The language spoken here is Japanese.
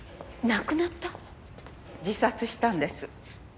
自殺したんです。